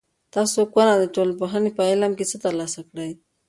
تاسو کونه د ټولنپوهنې په علم کې څه تر لاسه کړي؟